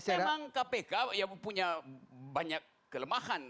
memang kpk ya punya banyak kelemahan